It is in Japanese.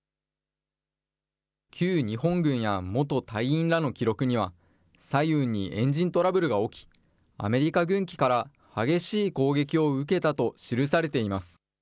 旧日本軍や元隊員らの記録には、彩雲にエンジントラブルが起き、アメリカ軍機から激しい攻撃を受けたと記されています。